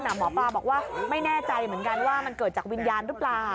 หมอปลาบอกว่าไม่แน่ใจเหมือนกันว่ามันเกิดจากวิญญาณหรือเปล่า